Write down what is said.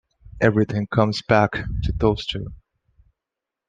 Everything comes back to those two.